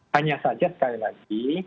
hanya saja sekali lagi